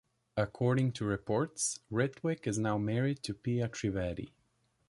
According to reports, Ritwik is now married to Pia Trivedi.